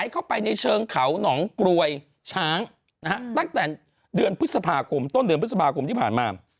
อยู่ในยอดไม้กลางถุงนาเนี่ย